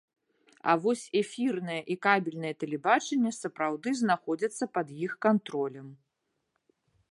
А вось эфірнае і кабельнае тэлебачанне сапраўды знаходзяцца пад іх кантролем.